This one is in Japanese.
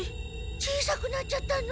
小さくなっちゃったの？